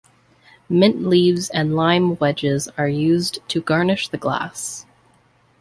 Mint leaves and lime wedges are used to garnish the glass.